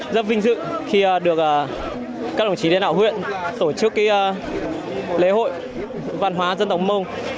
rất vinh dự khi được các đồng chí lãnh đạo huyện tổ chức lễ hội văn hóa dân tộc mông